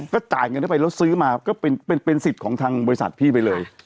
ก็จ่ายเงินเข้าไปแล้วซื้อมาก็เป็นสิทธิ์ของทางบริษัทพี่ไปเลย